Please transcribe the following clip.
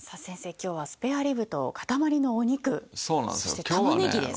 今日はスペアリブと塊のお肉そして玉ねぎです。